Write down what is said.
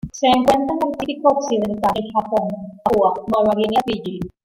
Se encuentra en el Pacífico occidental: el Japón, Papúa Nueva Guinea y Fiyi.